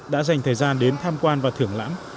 đã dành thời gian đến tham quan và thưởng lãm